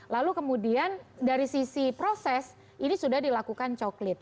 lalu kemudian dari sisi proses ini sudah dilakukan coklit